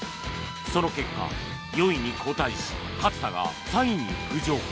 その結果、４位に後退し勝田が３位に浮上。